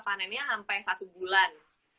panennya sampe satu bulan